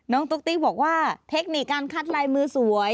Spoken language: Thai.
ตุ๊กติ๊กบอกว่าเทคนิคการคัดลายมือสวย